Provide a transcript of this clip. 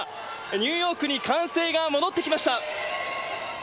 ニューヨークに歓声が戻ってきました。